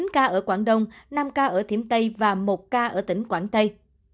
chín ca ở quảng đông năm ca ở thiểm tây và một ca ở tỉnh quảng tây